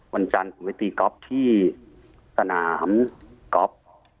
วันจันทร์ผมไปตีก๊อฟที่สนามก๊อฟ